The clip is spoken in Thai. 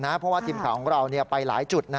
เพราะว่าทีมข่าวของเราไปหลายจุด